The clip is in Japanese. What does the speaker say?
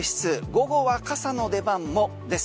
午後は傘の出番もです。